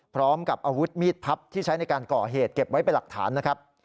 พร้อมกับอาวุธมีดพับที่ใช้ในการก่อเหตุเก็บไว้เป็นหลักฐานนะครับ